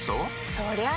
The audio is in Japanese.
そりゃあ